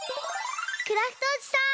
クラフトおじさん！